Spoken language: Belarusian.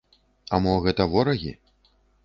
А мо гэта ворагі?